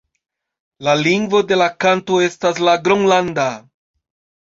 La lingvo de la kanto estas la gronlanda.